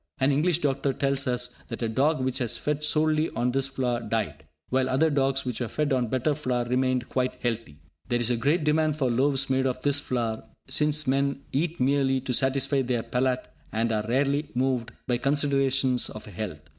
An English doctor tells us that a dog which was fed solely on this flour died, while other dogs which were fed on better flour remained quite healthy. There is a great demand for loaves made of this flour, since men eat merely to satisfy their palate, and are rarely moved by considerations of health.